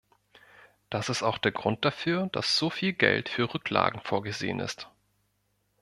Das ist auch der Grund dafür, dass so viel Geld für Rücklagen vorgesehen ist.